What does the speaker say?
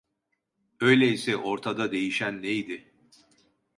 Öyleyse ortada değişen neydi?